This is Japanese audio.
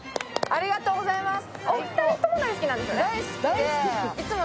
ありがとうございます。